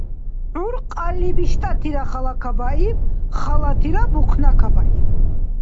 Гӏур кьалли биштӏатира халакабаиб, халатира бухънакабаиб.